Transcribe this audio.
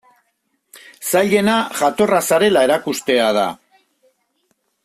Zailena jatorra zarela erakustea da.